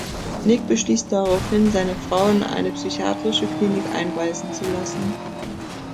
Nick beschließt daraufhin, seine Frau in eine psychiatrische Klinik einweisen zu lassen.